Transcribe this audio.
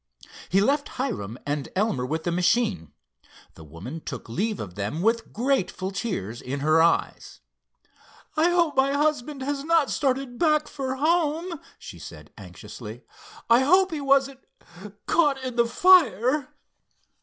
He left Hiram and Elmer with the machine. The woman took leave of them with grateful tears in her eyes. "I hope my husband has not started back for home," she said, anxiously—"I hope he wasn't caught in the fire."